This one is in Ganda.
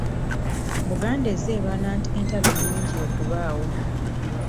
Buganda ezze erwana entalo nnyingi okubaawo.